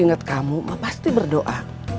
ingat kamu mah pasti berdoa